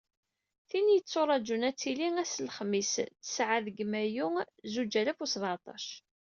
Tin i yetturaǧun ad tili ass n lexmis tesεa deg mayu zuǧ alaf u seεṭac..